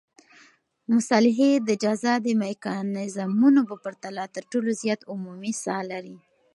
مصالحې د جزا د میکانیزمونو په پرتله تر ټولو زیات عمومي ساه لري.